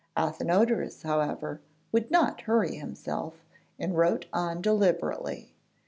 Athenodorus, however, would not hurry himself, and wrote on deliberately.